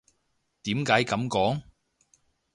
點解噉講？